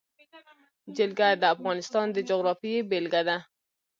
جلګه د افغانستان د جغرافیې بېلګه ده.